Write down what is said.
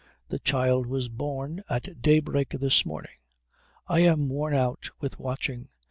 The child was born at daybreak this morning. I am worn out with watching.